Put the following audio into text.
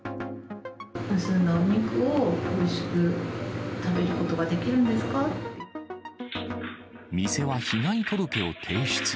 盗んだお肉をおいしく食べる店は被害届を提出。